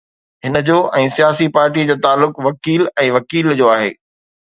هن جو ۽ سياسي پارٽيءَ جو تعلق وڪيل ۽ وڪيل جو آهي.